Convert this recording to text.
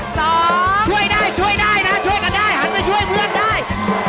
สองช่วยได้ช่วยได้นะช่วยกันได้หันมาช่วยเพื่อนได้